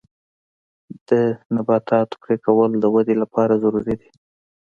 د نباتاتو پرې کول د ودې لپاره ضروري دي.